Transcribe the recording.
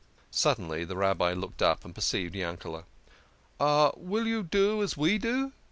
Suddenly the Rabbi looked up and perceived Yankele". " Will you do as we do?